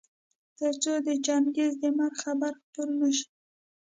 تر څو د چنګېز د مرګ خبر خپور نه شي.